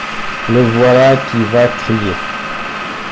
Le voilà qui va crier.